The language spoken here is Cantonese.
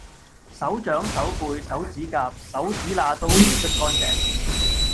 手掌、手背、手指甲、手指罅都要捽乾淨